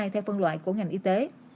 theo phân loại của ngành y tế